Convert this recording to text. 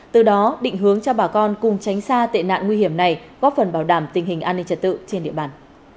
từ đó định hướng cho bà con cùng tránh xa tệ nạn nguy hiểm này góp phần bảo đảm tình hình an ninh trật tự trên địa bàn